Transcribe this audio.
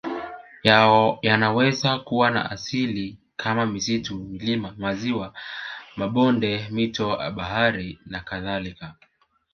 Yanaweza kuwa ya asili kama misitu milima maziwa mabonde mito bahari nakadhalka